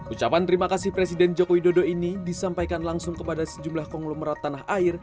ucapan terima kasih presiden joko widodo ini disampaikan langsung kepada sejumlah konglomerat tanah air